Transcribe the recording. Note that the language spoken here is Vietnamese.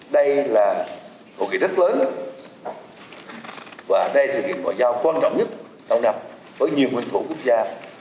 đây là hội nghị rất lớn và đây là sự kiện bảo giao quan trọng nhất tạo đặt với nhiều nguyên thủ quốc gia